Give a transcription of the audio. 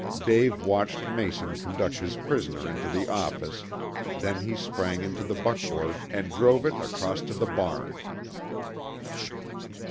Dave watched Mason conduct his prisoner into the office, then he sprang into the buckboard and drove it across to the barn.